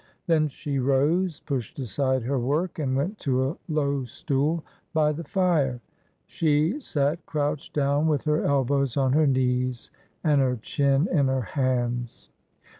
Then she rose, pushed aside her work, and went to a low stool by the fire. She sat crouched down, with her elbows on her knees and her chin in her hands.